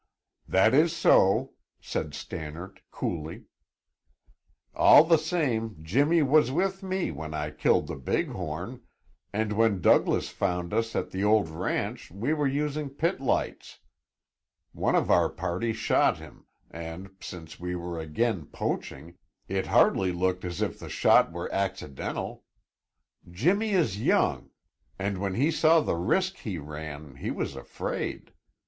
"That is so," said Stannard coolly. "All the same, Jimmy was with me when I killed the big horn, and when Douglas found us at the old ranch we were using pit lights. One of our party shot him, and since we were again poaching, it hardly looked as if the shot were accidental. Jimmy is young and when he saw the risk he ran he was afraid.